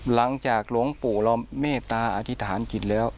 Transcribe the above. หลังจากหลวงปู่เราเมตตาอธิษฐานจิตแล้ว